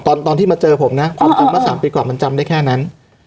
ตอนตอนที่มาเจอผมน่ะอ่าอ่าความจำเมื่อสามปีก่อนมันจำได้แค่นั้น